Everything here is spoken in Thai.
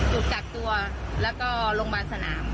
ถูกกักตัวแล้วก็โรงพยาบาลสนาม